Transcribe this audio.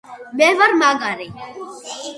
მე ვარ მაგარი.